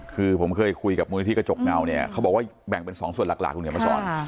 คือผมเคยคุยกับมูลนิธิกระจกเงาเนี่ยเขาบอกว่าแบ่งเป็น๒ส่วนหลักคุณเขียนมาสอน